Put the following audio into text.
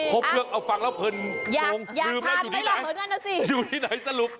พบเรื่องเอาฟังแล้วเผินลงอยู่ที่ไหนสรุป